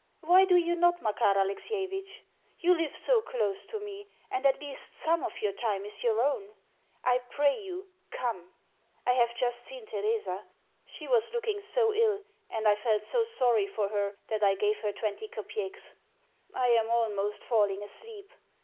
Why do you not, Makar Alexievitch? You live so close to me, and at least SOME of your time is your own. I pray you, come. I have just seen Theresa. She was looking so ill, and I felt so sorry for her, that I gave her twenty kopecks. I am almost falling asleep.